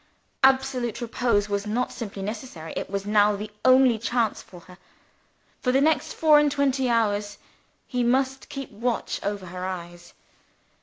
Absolute repose was not simply necessary it was now the only chance for her. For the next four and twenty hours, he must keep watch over her eyes.